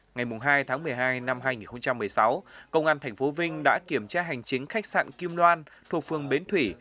ngày hai tháng một mươi hai năm hai nghìn một mươi sáu công an tp vinh đã kiểm tra hành chính khách sạn kim loan thuộc phường bến thủy